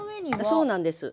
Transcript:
そうなんです。